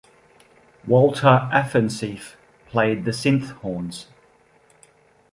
Walter Afanasieff played the synth horns.